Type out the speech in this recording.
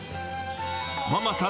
ママさん